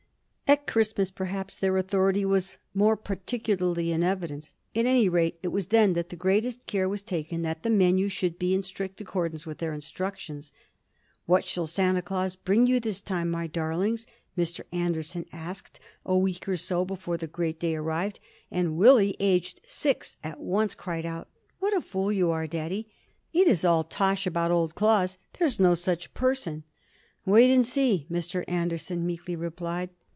At Christmas, perhaps, their authority was more particularly in evidence; at any rate, it was then that the greatest care was taken that the menu should be in strict accordance with their instructions. "What shall Santa Claus bring you this time, my darlings?" Mr. Anderson asked, a week or so before the great day arrived; and Willie, aged six, at once cried out: "What a fool you are, daddy! It is all tosh about old Claus, there's no such person!" "Wait and see!" Mr. Anderson meekly replied.